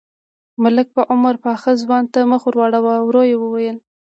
ملک په عمر پاخه ځوان ته مخ ور واړاوه، ورو يې وويل: